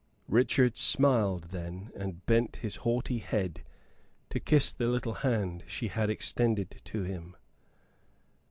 Richard smiled then, and bent his haughty head to kiss the little hand she had extended to him.